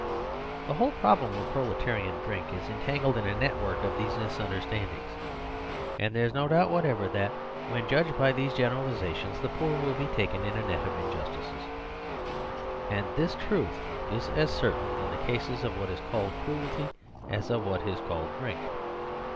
The whole prob lem of proletarian drink is entangled in a net work of these misunderstandings ; and there is no doubt whatever that, when judged by these generalisations, the poor will be taken in a net of injustices. And this truth is as certain in 120 The Superstition of Divorce the case of what is called cruelty as of what is called drink.